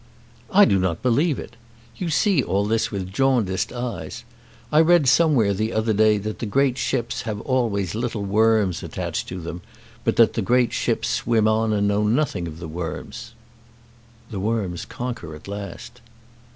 "I do not believe it. You see all this with jaundiced eyes. I read somewhere the other day that the great ships have always little worms attached to them, but that the great ships swim on and know nothing of the worms." "The worms conquer at last."